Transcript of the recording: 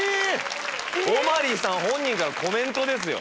オマリーさん本人からコメントですよ。